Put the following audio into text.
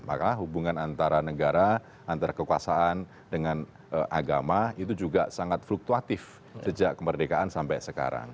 maka hubungan antara negara antara kekuasaan dengan agama itu juga sangat fluktuatif sejak kemerdekaan sampai sekarang